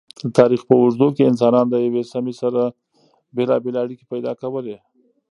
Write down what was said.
د تاریخ په اوږدو کی انسانانو د یوی سمی سره بیلابیلی اړیکی پیدا کولی